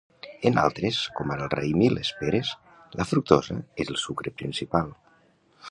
En altres, com ara el raïm i les peres, la fructosa és el sucre principal.